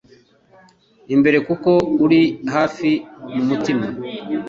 imbere kuko uri hafi mumutima